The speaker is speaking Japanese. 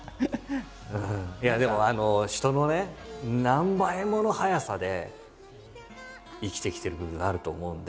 いやでも人のね何倍もの速さで生きてきてる部分があると思うんで。